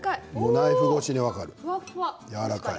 ナイフ越しで分かるやわらかい。